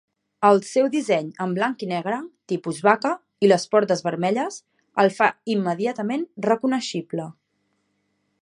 El seu disseny en blanc i negre "tipus vaca" i les portes vermelles, el fa immediatament reconeixible.